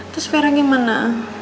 terus vera gimana